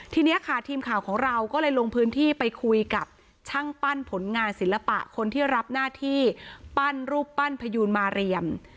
ทีนี้ค่ะทีมข่าวของเราก็เลยลงพื้นที่ไปคุยกับช่างปั้นผลงานศิลปะคนที่รับหน้าที่ปั้นรูปปั้นพยูนมาเรียม